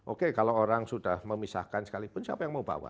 oke kalau orang sudah memisahkan sekalipun siapa yang mau bawa